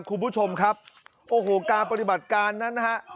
คุณผู้ชมครับโอ้โหการปฏิบัติการนั้นนะฮะ